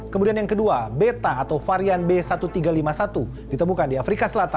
kemudian yang kedua beta atau varian b satu tiga lima satu ditemukan di afrika selatan